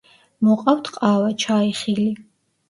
მოყავთ ყავა, ჩაი, ხილი.